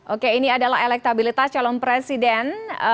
oke ini adalah elektabilitas calon presiden